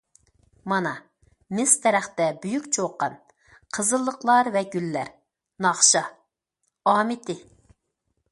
مانا، مىس دەرەختە بۈيۈك چۇقان، قىزىللىقلار ۋە گۈللەر، ناخشا. ئامىتى!